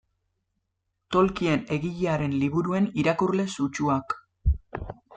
Tolkien egilearen liburuen irakurle sutsuak.